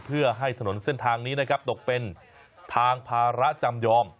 เพื่อให้ถนนเส้นทางนี้นะครับตกเป็นทางภาระจำยอม